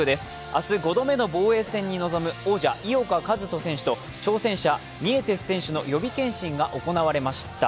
明日５度目の防衛戦に臨む王者・井岡一翔選手と挑戦者、ニエテス選手の予備検診が行われました。